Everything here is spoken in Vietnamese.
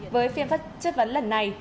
với phiên chất vấn lần này